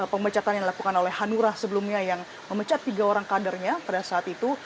pemecatan yang dilakukan oleh hanura sebelumnya yang memecat tiga orang kadernya pada saat itu